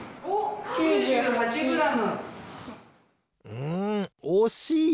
うんおしい！